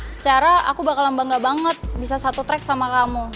secara aku bakalan bangga banget bisa satu track sama kamu